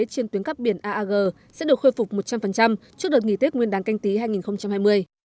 trên tuyến cắp biển aag sẽ được khôi phục một trăm linh trước đợt nghỉ tết nguyên đán canh tí hai nghìn hai mươi